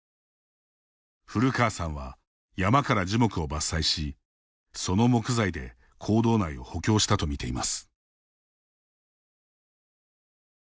古川さんは、山から樹木を伐採しその木材で坑道内を補強したと見ています。